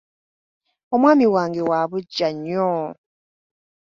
Omwami wange wa buggya nnyo.